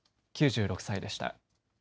９６歳でした。